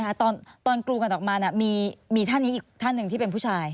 ตอนกรูกันออกมามีท่านนี้อีกท่านหนึ่งที่เป็นผู้ชาย